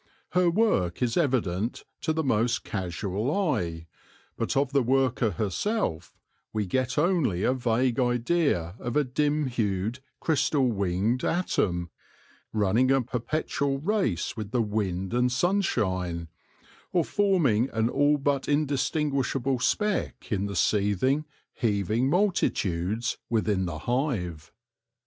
Her work is evident to the most casual eye, but of the worker herself we get only a vague idea of a dim hued, crystal winged atom running a perpetual race with the wind and sunshine, or forming an all but undistinguishable speck in the seething, heaving multitudes within the hive.